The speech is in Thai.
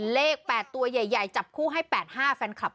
เลข๘ตัวใหญ่จับคู่ให้๘๕แฟนคลับ